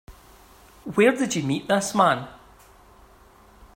Where'd you meet this man?